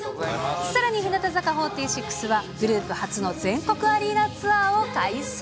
さらに日向坂４６は、グループ初の全国アリーナツアーを開催。